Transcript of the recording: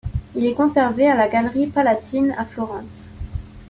Il est conservé à la galerie Palatine à Florence.